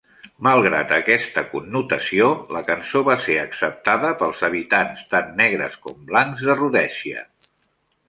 Malgrat aquesta connotació, la cançó va ser acceptada pels habitants tant negres com blancs de Rhodèsia.